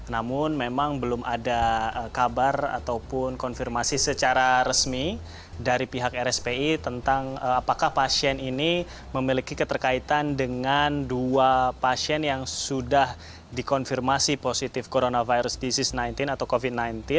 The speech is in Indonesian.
namun memang belum ada kabar ataupun konfirmasi secara resmi dari pihak rspi tentang apakah pasien ini memiliki keterkaitan dengan dua pasien yang sudah dikonfirmasi positif coronavirus disease sembilan belas atau covid sembilan belas